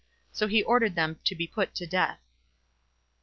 So he ordered them to be put to death.